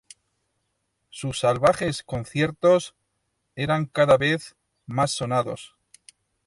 Sus salvajes conciertos eran cada vez más sonados.